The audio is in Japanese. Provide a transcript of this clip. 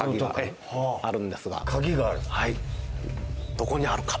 どこにあるか。